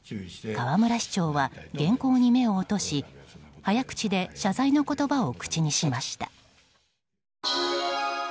河村市長は原稿に目を落とし早口で謝罪の言葉を口にしました。